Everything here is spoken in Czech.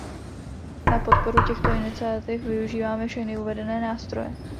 Na podporu těchto iniciativ využíváme všechny uvedené nástroje.